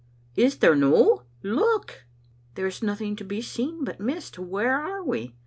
"Is there no? Look!" There is nothing to be seen but mist ; where are we?"